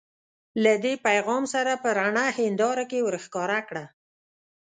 له دې پیغام سره په رڼه هنداره کې ورښکاره کړه.